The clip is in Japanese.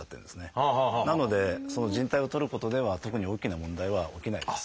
なのでじん帯を取ることでは特に大きな問題は起きないです。